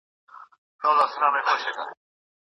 له ستونزو مه وېرېږه چي تجربه درته درکړي او زړورتيا زياته سي .